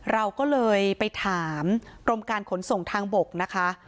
เราก็เลยไปถามกรมการขนส่งทางบกนะคะ